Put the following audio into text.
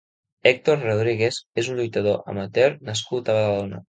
Héctor Rodríguez és un lluitador amateur nascut a Badalona.